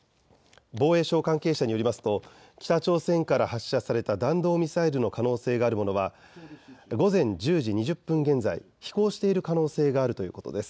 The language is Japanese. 防衛省関係者によりますと北朝鮮から発射された弾道ミサイルの可能性があるものは午前１０時２０分現在、飛行している可能性があるということです。